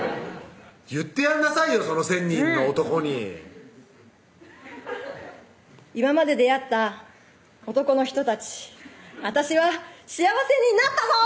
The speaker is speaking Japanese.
言ってやんなさいよその１０００人の男に今まで出会った男の人たち私は幸せになったぞ！